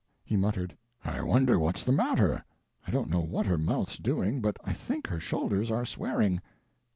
He muttered, "I wonder what's the matter; I don't know what her mouth's doing, but I think her shoulders are swearing.